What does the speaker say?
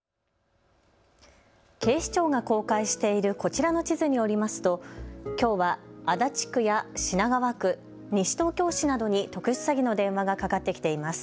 警視庁が公開しているこちらの地図によりますときょうは足立区や品川区、西東京市などに特殊詐欺の電話がかかってきています。